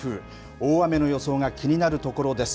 大雨の予想が気になるところです。